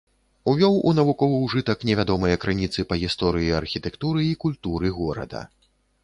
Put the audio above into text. Увёў у навуковы ўжытак невядомыя крыніцы па гісторыі архітэктуры і культуры горада.